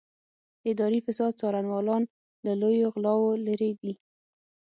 د اداري فساد څارنوالان له لویو غلاوو لېرې دي.